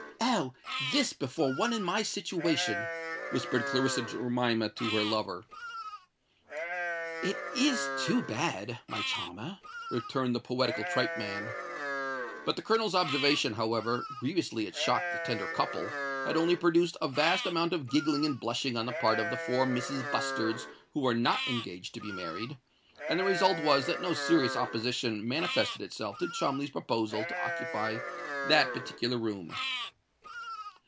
"Oh! this before one in my situation!" whispered Clarissa Jemima to her lover. "It is too bad, my charmer," returned the poetical tripe man. But the Colonel's observation, however grievously it shocked the tender couple, had only produced a vast amount of giggling and blushing on the part of the four Misses Bustards who were not engaged to be married; and the result was that no serious opposition manifested itself to Cholmondeley's proposal to occupy that particular room.